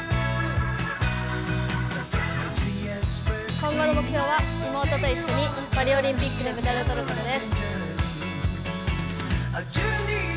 今後の目標は妹と一緒にパリオリンピックでメダルを取ることです。